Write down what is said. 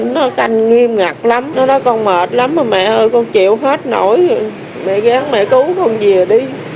nó canh nghiêm ngặt lắm nó nói con mệt lắm mẹ ơi con chịu hết nổi mẹ gán mẹ cứu con về đi